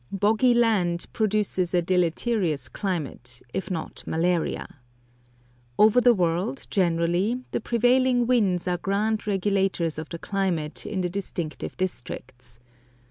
Boggy land produces a deleterious climate, if not malaria. Over the world, generally, the prevailing winds are grand regulators of the climate in the distinctive districts.